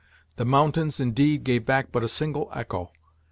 The mountains, indeed, gave back but a single echo.